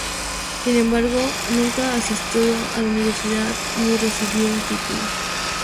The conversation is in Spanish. Sin embargo, nunca asistió a la universidad ni recibió un título.